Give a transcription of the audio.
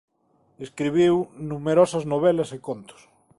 Escribiu numerosas novelas e contos.